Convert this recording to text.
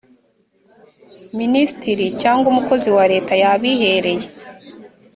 minisitiri cyangwa umukozi wa leta yabihereye